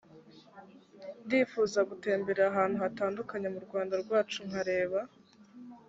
ndifuza gutemberera ahantu hatandukanye mu rwanda rwacu nkareba